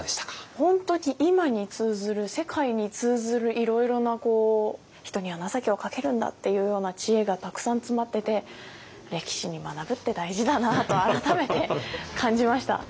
本当に今に通ずる世界に通ずるいろいろなこう人には情けをかけるんだっていうような知恵がたくさん詰まっててと改めて感じました。